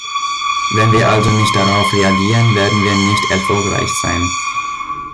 Wenn wir also nicht darauf reagieren, werden wir nicht erfolgreich sein.